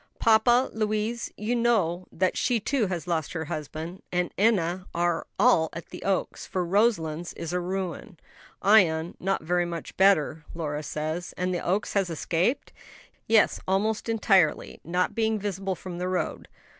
"Papa, Louise you know that she too has lost her husband and Enna are all at the Oaks; for Roselands is a ruin, Ion not very much better, Lora says." "And the Oaks has escaped?" "Yes, almost entirely; not being visible from the road.